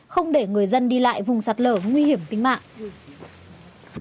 không để người dân đi lại vùng sạt lở nguy hiểm tính mạng